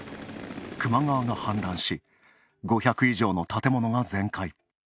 球磨川が氾濫し、５００以上の建物が全壊。